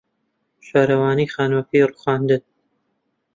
شارەوانی خانووەکەی رووخاندن.